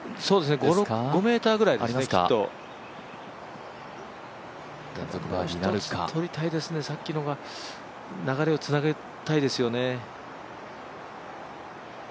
５ｍぐらいありますね、きっとちょっといたいですね、さっきのが流れをつなぎたいですよね。